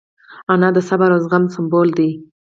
انا د صبر او زغم سمبول ده